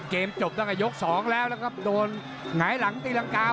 จบตั้งแต่ยกสองแล้วนะครับโดนหงายหลังตีรังกาว